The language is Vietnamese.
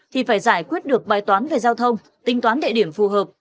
thì phải giải quyết được bài toán về giao thông tính toán địa điểm phù hợp